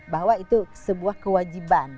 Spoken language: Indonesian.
bahwa itu sebuah kewajiban